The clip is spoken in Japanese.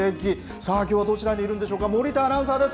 さあ、きょうはどちらにいるんでしょうか、森田アナウンサーです。